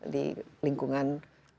di lingkungan keluarganya